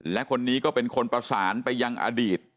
และคนนี้ก็เป็นคนประสานไปยังอดีต